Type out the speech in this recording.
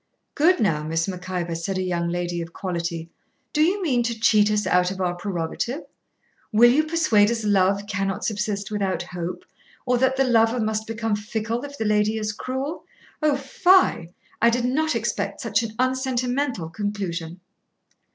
'Good now, Miss Mac Ivor,' said a young lady of quality, 'do you mean to cheat us out of our prerogative? will you persuade us love cannot subsist without hope, or that the lover must become fickle if the lady is cruel? O fie! I did not expect such an unsentimental conclusion.'